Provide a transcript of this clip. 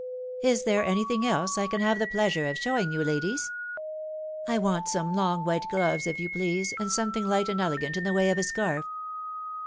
" Is there any thing else I can have the pleasure of showing you, ladies?" " I want some long white gloves, if you please, and some thing light and elegant in the way of a scarf."